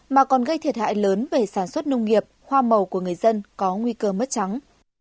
mà còn gây thiệt hại lớn về sản xuất nông nghiệp hoa màu của người dân có nguy cơ mất trắng